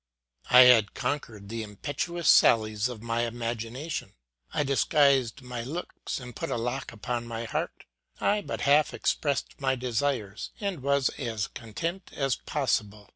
I had conquered the impetuous sallies of my imagination ; I disguised my looks and put a lock upon my heart; I but half expressed my desires, and was as content as possible.